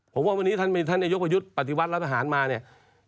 ผมว่าวันนี้ท่านนายกประยุทธ์ปฏิวัติรัฐประหารมาเนี่ย